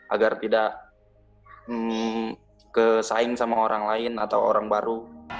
agar tidak kesaing sama orang lain atau orang baru